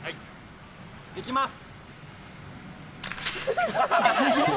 いきます。